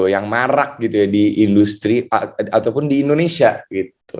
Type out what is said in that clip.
yang marak gitu ya di industri ataupun di indonesia gitu